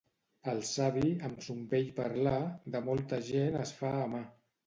El savi, amb son bell parlar, de molta gent es fa amar.